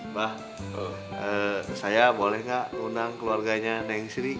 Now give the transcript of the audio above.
mbak saya boleh gak undang keluarganya neng sri